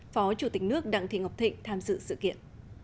phó chủ tịch nước đặng thị ngọc thịnh tham dự sự kiện